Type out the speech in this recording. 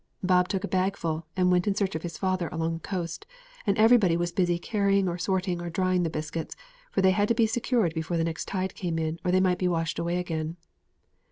Bob took a bagful and went in search of his father along the coast, and everybody was busy carrying or sorting or drying the biscuits, for they had to be secured before the next tide came in, or they might be washed away again.